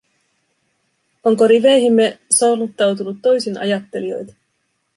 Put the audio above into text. Onko riveihimme soluttautunut toisinajattelijoita?